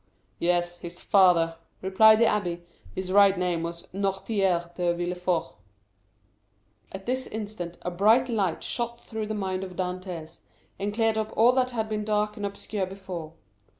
"Yes, his father," replied the abbé; "his right name was Noirtier de Villefort." At this instant a bright light shot through the mind of Dantès, and cleared up all that had been dark and obscure before.